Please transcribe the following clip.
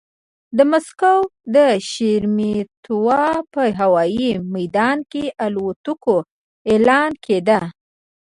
د مسکو د شېرېمېتوا په هوايي ميدان کې الوتکو اعلان کېده.